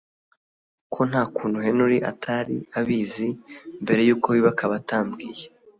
ko ntakuntu Henry atari abizi mbere yuko biba akaba atambwiye